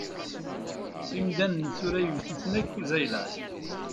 Imdanen tura yewt-iten akk uzaylal.